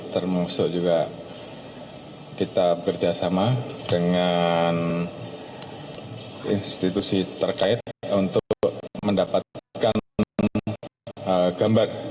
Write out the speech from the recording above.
termusuk juga kita bekerjasama dengan institusi terkait untuk mendapatkan gambar